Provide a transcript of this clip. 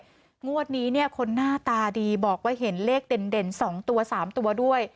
หลังวัดนี้คนหน้าตาดีบอกว่าเห็นเลขเด่น๒๓ตัวด้วย